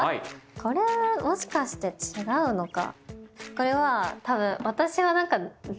これもしかして違うのか？